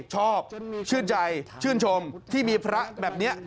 ชอบชื่นใจชื่นชมที่มีพระแบบนี้